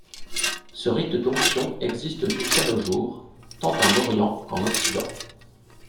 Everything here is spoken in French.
Ce rite d'onction existe jusqu'à nos jours, tant en Orient qu'en Occident.